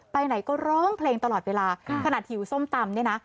ไปไหนก็ร้องเพลงตลอดเวลาขนาดหิวส้มตำเนี่ยนะ